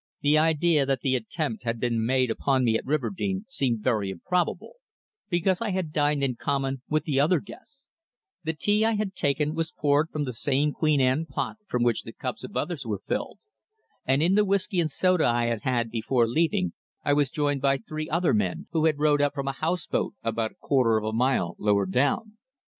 The idea that the attempt had been made upon me at Riverdene seemed very improbable, because I had dined in common with the other guests; the tea I had taken was poured from the same Queen Anne pot from which the cups of others were filled, and in the whisky and soda I had had before leaving I was joined by three other men who had rowed up from a house boat about a quarter of a mile lower down.